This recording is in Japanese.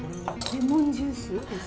レモンジュースです？